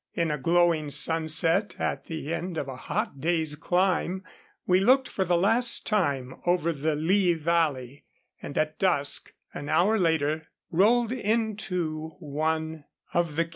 In a glowing sunset, at the end of a hot day's climb, we looked for the last time over the Hi valley, and at dusk, an hour later, rolled into one of the 141 OUR RUSSIAN FRIEND AND MR.